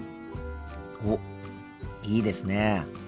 おっいいですね。